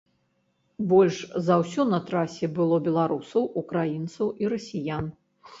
Больш за ўсё на трасе было беларусаў, украінцаў і расіян.